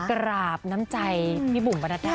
กราบน้ำใจพี่บุ๋มประนัดดา